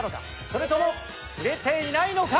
それともふれていないのか？